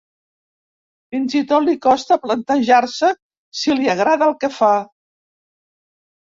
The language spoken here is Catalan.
Fins i tot li costa plantejar-se si li agrada el que fa.